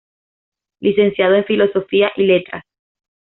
Licenciado en Filosofía y Letras.